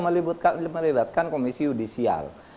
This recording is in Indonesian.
melibatkan komisi udisial